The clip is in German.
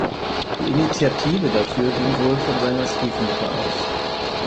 Die Initiative dafür ging wohl von seiner Stiefmutter aus.